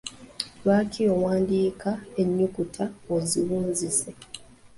Lwaki owandiika ennyukuta oziwuzise?